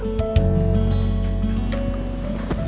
sama sekali belum pak